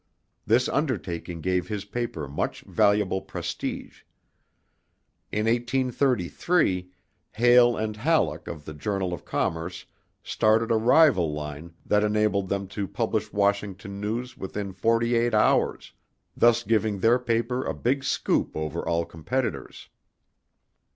This undertaking gave his paper much valuable prestige. In 1833, Hale and Hallock of the Journal of Commerce started a rival line that enabled them to publish Washington news within forty eight hours, thus giving their paper a big "scoop" over all competitors.